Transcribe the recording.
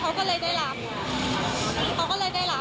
และอีฟก็เชื่อว่าพ่อได้รับทุกอย่างที่ทุกคนส่งเข้ามา